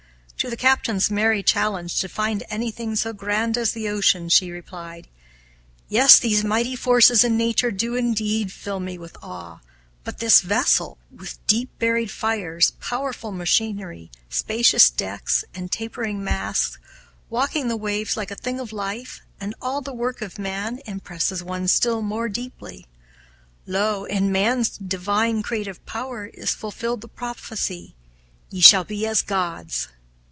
To the captain's merry challenge to find anything so grand as the ocean, she replied, "Yes, these mighty forces in nature do indeed fill me with awe; but this vessel, with deep buried fires, powerful machinery, spacious decks, and tapering masts, walking the waves like a thing of life, and all the work of man, impresses one still more deeply. Lo! in man's divine creative power is fulfilled the prophecy, 'Ye shall be as Gods!'"